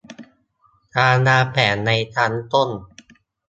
การวางแผนในชั้นต้น